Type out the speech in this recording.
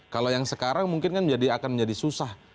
kalau yang sekarang mungkin kan akan menjadi susah